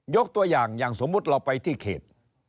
ยกตัวอย่างอย่างสมมุติเราไปที่เขต